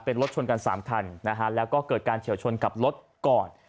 เป็นรถชนกัน๓คันนะฮะแล้วก็เกิดการเฉียวชนกับรถก่อน